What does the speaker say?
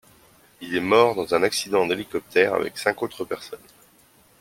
Il est mort dans un accident d'hélicoptère avec cinq autres personnes.